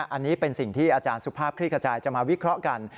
อันนี้เป็นสิ่งที่อาจารย์สุภาพคลี่ขจายจะมาวิเคราะห์กัน